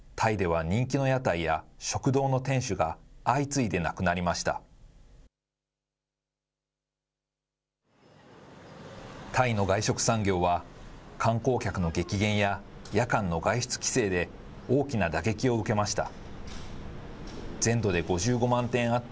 タイの外食産業は観光客の激減や夜間の外出規制で大きな打撃を受けました。